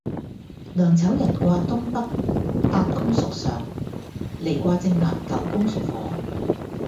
艮丑寅卦東北八宮屬上，离卦正南九宮屬火